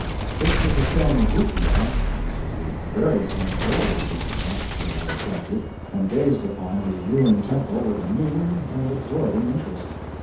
This was the same Obookia—this was the very same old Obookia—so I reflected, and gazed upon the ruined temple with a new and absorbing interest.